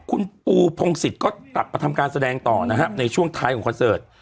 คุณปูพงศิษย์ก็กลับมาทำการแสดงต่อนะฮะในช่วงท้ายของคอนเสิร์ต